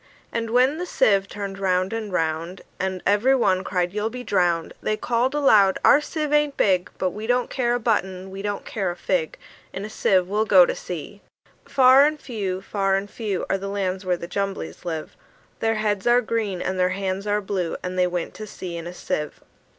And when the sieve turned round and round, And every one cried, "You'll all be drowned!" They called aloud, "Our sieve ain't big; But we don't care a button, we don't care a fig: In a sieve we'll go to sea!" Far and few, far and few, Are the lands where the Jumblies live: Their heads are green, and their hands are blue And they went to sea in a sieve.